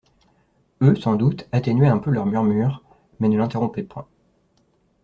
Eux, sans doute, atténuaient un peu leur murmure mais ne l'interrompaient point.